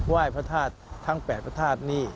ไหว้พระธาตุทั้ง๘พระธาตุนี่